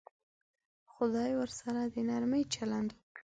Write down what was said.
خدای ورسره د نرمي چلند وکړي.